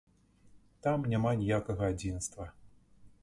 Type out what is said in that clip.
Там няма ніякага адзінства.